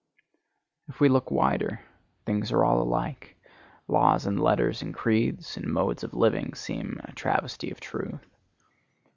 If we look wider, things are all alike; laws and letters and creeds and modes of living seem a travesty of truth.